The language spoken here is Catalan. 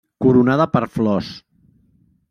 Coronada per flors.